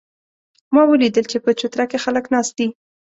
ما ولیدل چې په چوتره کې خلک ناست دي